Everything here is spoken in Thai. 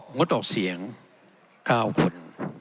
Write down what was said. งดออกเสียง๙คน